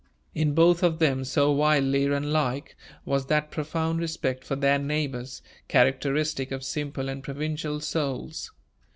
In both of them, so widely unlike, was that profound respect for their neighbors, characteristic of simple and provincial souls.